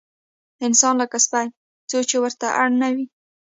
انسان لکه سپی دی، څو چې ورته اړ نه وي.